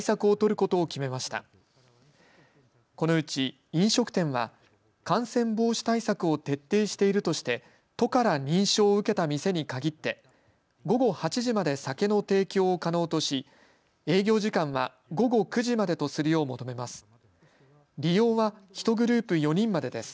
このうち飲食店は感染防止対策を徹底しているとして都から認証を受けた店に限って午後８時まで酒の提供を可能とし営業時間は午後９時までとするよう求めます。